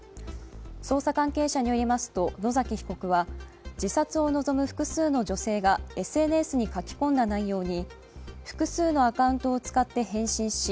捜査関係者によりますと野崎被告は自殺を望む複数の女性がＳＮＳに書き込んだ内容に複数のアカウントを使って返信し。